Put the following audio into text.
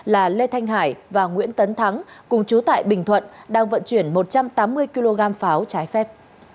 là lê thanh hải và nguyễn tấn thắng cùng chú tại bình thuận đang vận chuyển một trăm tám mươi kg pháo trái phép